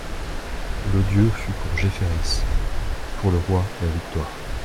L'odieux fut pour Jefferies, pour le roi la victoire.